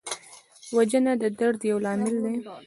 وژنه د درد یو لامل دی